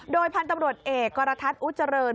โดยพันธุ์ตำรวจเอกกรทัศน์อุเจริญ